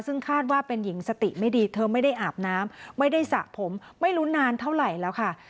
ซึ่งคาดว่าเป็นหญิงสติไม่ดีเธอไม่ได้อาบน้ำไม่ได้สระผมไม่รู้นานเท่าไหร่แล้วค่ะ